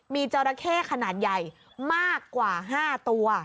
มีจราเข้ขนาดใหญ่มากกว่า๕ตัว